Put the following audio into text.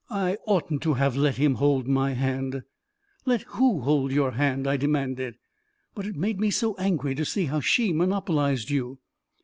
I oughtn't to have let him hold my hand ..."" Let who hold your hand? " I demanded. " But it made me so angry to see how she monop olized you